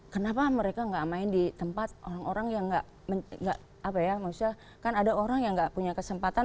kenapa mereka nggak main di tempat orang orang yang nggak apa ya maksudnya kan ada orang yang nggak punya kesempatan